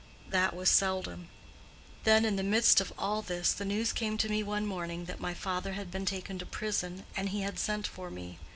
That was seldom. "Then, in the midst of all this, the news came to me one morning that my father had been taken to prison, and he had sent for me.